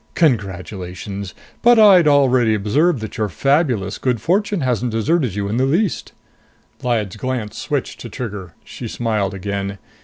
"Congratulations! But I'd already observed that your fabulous good fortune hasn't deserted you in the least." Lyad's glance switched to Trigger; she smiled again.